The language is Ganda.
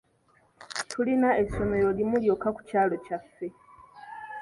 Tulina essomero limu lyokka ku kyalo kyaffe.